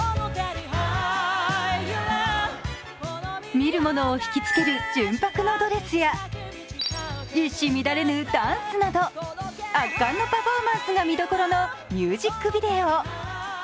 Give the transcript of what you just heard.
見る者を引きつける純白のドレスや一糸乱れぬダンスなど圧巻のパフォーマンスが見どころのミュージックビデオ。